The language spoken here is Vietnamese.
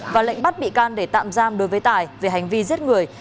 và lệnh bắt bị can để tạm giam đối với tài về hành vi giết người